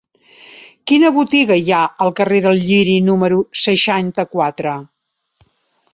Quina botiga hi ha al carrer del Lliri número seixanta-quatre?